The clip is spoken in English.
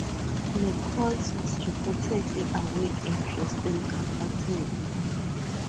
Nichols was reportedly awake and resting comfortably.